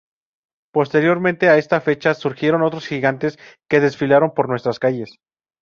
Posteriormente a esta fecha surgieron otros gigantes que desfilaron por nuestras calles.